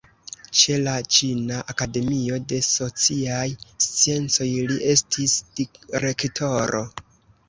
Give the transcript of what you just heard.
Ĉe la Ĉina Akademio de Sociaj Sciencoj li estis direktoro.